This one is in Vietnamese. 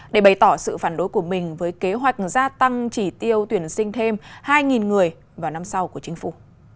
để bày tỏ sự phản đối của mình với kế hoạch gia tăng chỉ tiêu tuyển sinh thêm hai người vào năm sau của chính phủ